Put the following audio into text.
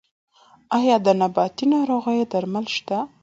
آیا د نباتي ناروغیو درمل شته؟